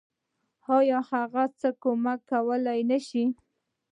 آيا هغه څه کمک کولی نشي.